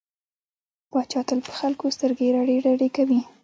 پاچا تل په خلکو سترګې رډې رډې کوي.